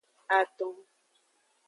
Aton.